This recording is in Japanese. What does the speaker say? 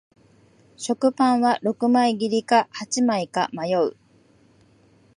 食パンは六枚切りか八枚か迷う